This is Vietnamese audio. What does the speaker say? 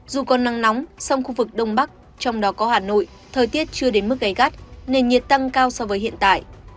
dù có nắng nóng song khu vực đông bắc trong đó có hà nội thời tiết chưa đến mức gây gắt nền nhiệt tăng cao so với hiện tại